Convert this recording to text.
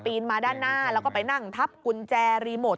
มาด้านหน้าแล้วก็ไปนั่งทับกุญแจรีโมท